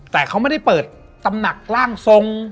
แต่เขาไม่ได้เปิดตำหนักร่างทรง